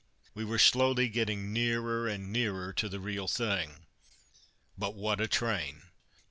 We were slowly getting nearer and nearer to the real thing. But what a train!